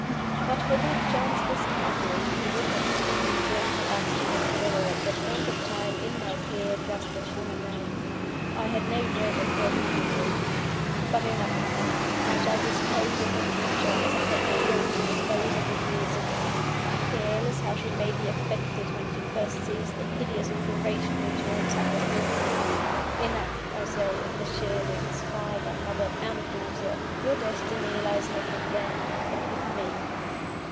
"But for that chance discovery, you would have seen me bring her back to North Villa at the appointed time, in my care, just as she went out. I had no dread of her meeting you. But enough of her! I shall dispose of her future, as I had resolved to dispose of it years ago; careless how she may be affected when she first sees the hideous alteration which your attack has wrought in me. Enough, I say, of the Sherwins father, mother, and daughter your destiny lies not with them, but with _me.